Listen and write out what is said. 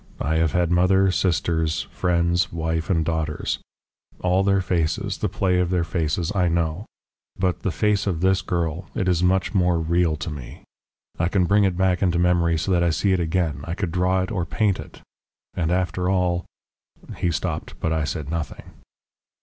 I have had mother, sisters, friends, wife, and daughters all their faces, the play of their faces, I know. But the face of this girl it is much more real to me. I can bring it back into memory so that I see it again I could draw it or paint it. And after all " He stopped but I said nothing.